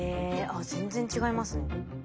あっ全然違いますね。